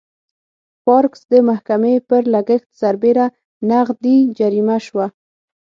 پارکس د محکمې پر لګښت سربېره نغدي جریمه شوه.